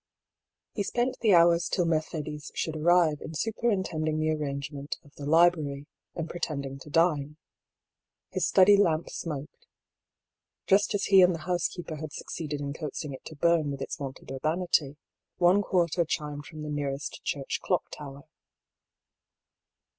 He spent the hours till Mercedes should arrive in superintending the arrangement of the library, and pre tending to dine. His study lamp ^oked. Just as he and the housekeeper had succeeded in coaxing it to burn with its wonted urbanity, one quarter chimed from the nearest church clock tower.